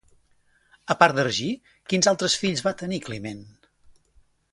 A part d'Ergí, quins altres fills va tenir Climen?